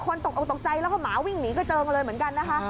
ตกออกตกใจแล้วก็หมาวิ่งหนีกระเจิงเลยเหมือนกันนะคะ